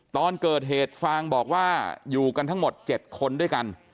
ตอนเกิดเหตุฟางบอกว่าอยู่กันทั้งหมด๗คนด้วยกัน